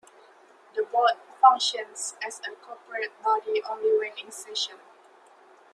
The board functions as a corporate body only when in session.